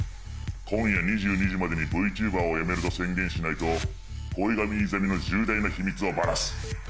今夜２２時までにＶＴｕｂｅｒをやめると宣言しないと恋神イザミの重大な秘密をバラす。